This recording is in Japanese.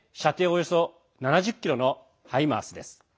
およそ７０ｋｍの「ハイマース」です。